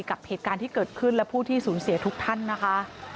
กับเหตุการณ์ที่เกิดขึ้นและผู้ที่สูญเสียทุกท่านนะคะ